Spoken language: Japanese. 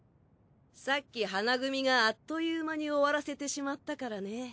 さっき花組があっという間に終わらせてしまったからね。